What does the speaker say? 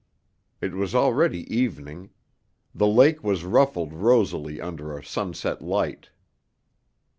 It was already evening; the lake was ruffled rosily under a sunset light.